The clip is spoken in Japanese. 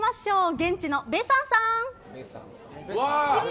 現地のベサンさん！